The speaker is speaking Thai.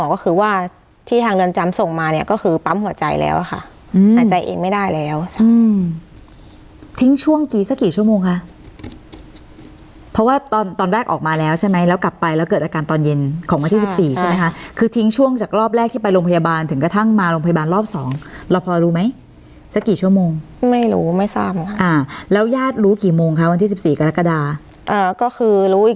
ก็คือปั๊มหัวใจแล้วค่ะอืมอาจจะเอ็งไม่ได้แล้วใช่อืมทิ้งช่วงกี่สักกี่ชั่วโมงค่ะเพราะว่าตอนตอนแรกออกมาแล้วใช่ไหมแล้วกลับไปแล้วเกิดอาการตอนเย็นของวันที่สิบสี่ใช่ไหมค่ะคือทิ้งช่วงจากรอบแรกที่ไปโรงพยาบาลถึงกระทั่งมาโรงพยาบาลรอบสองเราพอรู้ไหมสักกี่ชั่วโมงไม่รู้ไม่ทราบค่ะอ่าแล